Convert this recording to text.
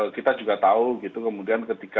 kita juga tahu gitu kemudian ketika